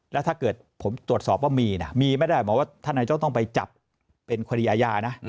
แล้วถ้าเกิดผมตรวจสอบว่ามีนะมีไม่ได้หมอว่าท่านนายเจ้าต้องไปจับเป็นคดีอาญานะ